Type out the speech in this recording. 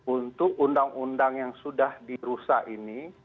untuk undang undang yang sudah dirusak ini